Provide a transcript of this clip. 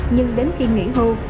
nhưng đến khi nghỉ hưu